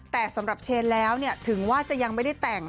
แต่สำหรับเชนแล้วถึงว่าจะยังไม่ได้แต่ง